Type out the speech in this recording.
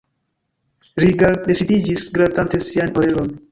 Rigar residiĝis gratante sian orelon.